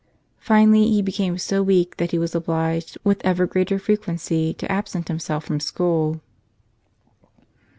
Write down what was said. Fin¬ ally he became so weak that he was obliged with ever greater frequency to absent himself from school.